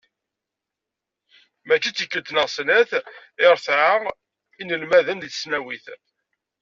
Mačči d tikkelt neɣ d snat i retɛeɣ inelmaden deg tesnawit.